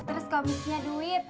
terus komisinya duit